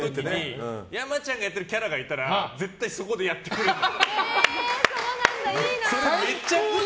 やまちゃんがやってるキャラがいたら絶対、そこでやってくれるの。